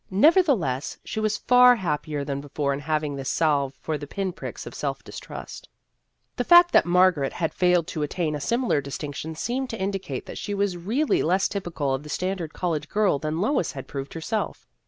Never theless, she was far happier than before in having this salve for the pin pricks of self distrust : the fact that Margaret had failed to attain a similar distinction seemed to indicate that she was really less typical of the standard college girl than Lois had proved herself.